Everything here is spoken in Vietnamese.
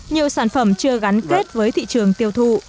nhiều sản phẩm chưa gắn kết với thị trường tiêu thụ